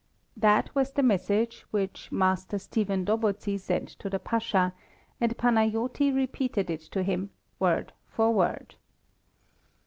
That was the message which Master Stephen Dobozy sent to the Pasha, and Panajoti repeated it to him word for word.